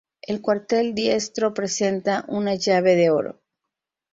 El cuartel diestro presenta una llave de oro.